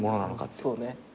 そうね。